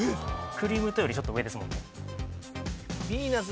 クリムトよりちょっと上ですもんね